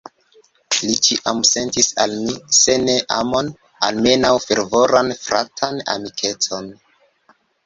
Li ĉiam sentis al mi, se ne amon, almenaŭ fervoran fratan amikecon.